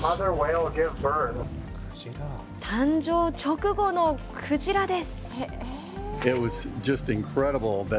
誕生直後のクジラです。